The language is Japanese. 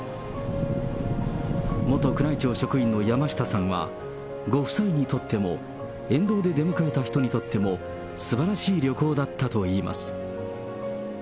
元宮内庁職員の山下さんは、ご夫妻にとっても、沿道で出迎えた人にとっても、すばらしい旅行だったといいます。